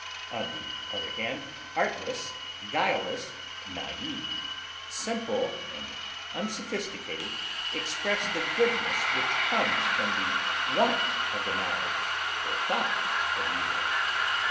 On the other hand, artless, guileless, naive, simple, and unsophisticated express the goodness which comes from want of the knowledge or thought of evil.